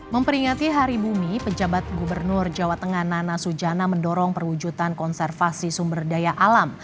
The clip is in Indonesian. memperingati hari bumi pejabat gubernur jawa tengah nana sujana mendorong perwujudan konservasi sumber daya alam